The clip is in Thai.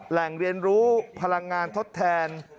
แหล่งเรียนรู้พลังงานทดแทน